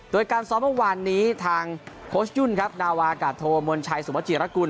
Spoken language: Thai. โดยการซ้อมเมื่อวานนี้ทางโค้ชยุ่นครับนาวากาโทมนชัยสุวจิรกุล